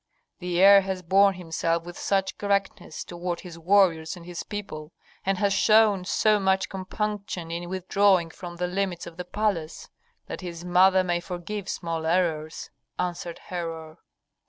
"The heir has borne himself with such correctness toward his warriors and his people, and has shown so much compunction in withdrawing from the limits of the palace, that his mother may forgive small errors," answered Herhor.